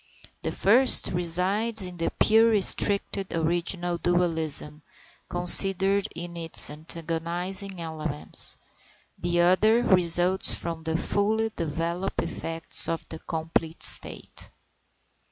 The first resides in the pure restricted original dualism, considered in its antagonizing elements; the other results from the fully developed effects of the complete state.